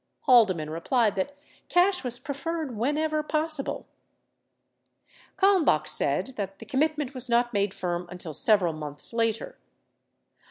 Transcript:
Haldeman replied that cash was pre ferred whenever possible. Kalmbach said that the commitment was not made firm until sev eral months later.